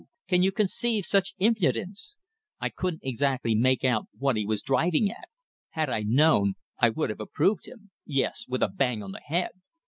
Can you conceive such impudence? I couldn't exactly make out what he was driving at. Had I known, I would have approved him. Yes! With a bang on the head.